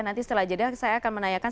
nanti setelah jeda saya akan menanyakan